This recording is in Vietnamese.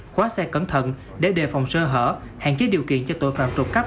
khóa xe cẩn thận để đề phòng sơ hở hạn chế điều kiện cho tội phạm trộm cắp